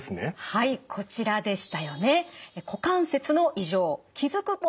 はいこちらでしたよね。